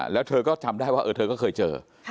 แล้วเธอก็จำได้ว่าเธอก็เคยเจอ